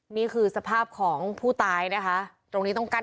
นี่คือสภาพของผู้ตายนะคะตรงนี้ต้องกั้น